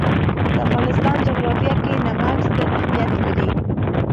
د افغانستان جغرافیه کې نمک ستر اهمیت لري.